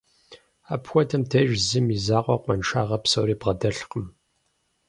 Апхуэдэм деж зым и закъуэ къуаншагъэ псори бгъэдэлъкъым.